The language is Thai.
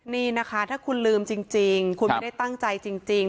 นี่นะคะถ้าคุณลืมจริงคุณไม่ได้ตั้งใจจริง